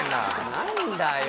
何だよ！